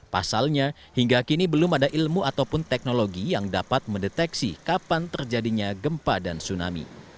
pasalnya hingga kini belum ada ilmu ataupun teknologi yang dapat mendeteksi kapan terjadinya gempa dan tsunami